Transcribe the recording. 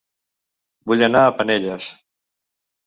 Vull anar a Penelles